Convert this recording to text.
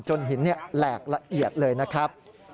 หินแหลกละเอียดเลยนะครับ